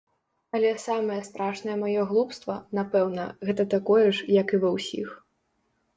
Але самае страшнае маё глупства, напэўна, гэта такое ж, як і ва ўсіх.